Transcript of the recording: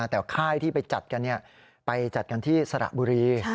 แต่ค่ายที่ไปจัดกันไปจัดกันที่สระบุรี